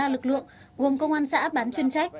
ba lực lượng gồm công an xã bán chuyên trách